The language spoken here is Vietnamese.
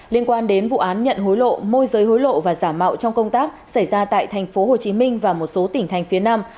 liên quan đến vụ án nhận hối lộ môi giới hối lộ và giả mạo trong công tác xảy ra tại tp hcm và một số tỉnh thành phía nam